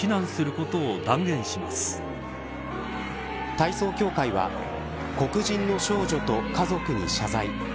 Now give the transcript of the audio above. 体操協会は黒人の少女と家族に謝罪。